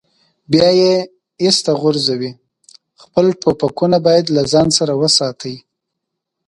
بیا یې ایسته غورځوي، خپل ټوپکونه باید له ځان سره وساتي.